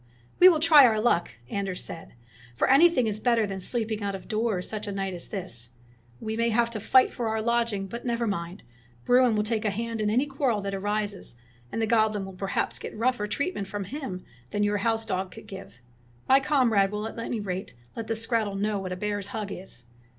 ''We will try our luck," Anders said; "for anything is better than sleeping out of doors such a night as this. We may have to fight for our lodging, but never mind — Bruin will take a hand in any quarrel that arises, and the goblin will perhaps get rougher treatment from him than your house dog could give. My comrade will at any rate let the skrattel know what a bear's hug is."